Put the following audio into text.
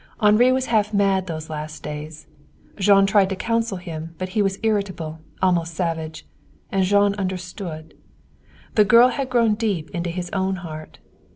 Henri was half mad those last days. Jean tried to counsel him, but he was irritable, almost savage. And Jean understood. The girl had grown deep into his own heart.